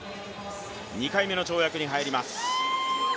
２回目の跳躍に入ります。